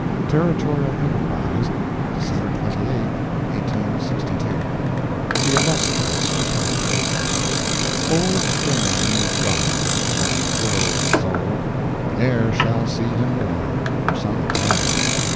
Territorial Enterprise, December 28, 1862 THE ILLUSTRIOUS DEPARTED Old Dan is gone, that good old soul, we ne'er shall see him more—for some time.